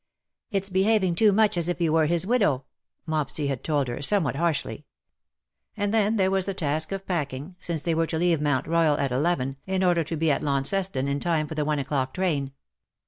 " It's behaving too much as if you were his widow/^ Mopsy had told her, somewhat harshly; and then there was the task of packing, since they were to leave Mount Royal at eleven, in order to be at Launceston in time for the one o^ clock train.